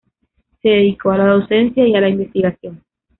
Se dedicó a la docencia y a la investigación.